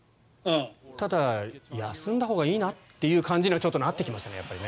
ただ、休んだほうがいいなっていう感じにはちょっとなってきましたね。